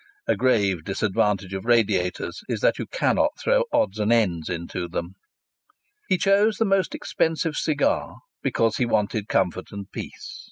(A grave disadvantage of radiators is that you cannot throw odds and ends into them.) He chose the most expensive cigar because he wanted comfort and peace.